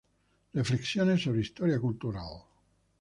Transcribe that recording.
Reflexiones sobre historia cultural".